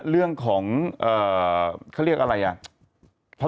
เรื่องของเขาเรียกอะไรอ่ะ